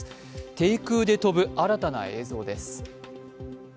低空で飛ぶ新たな映像です。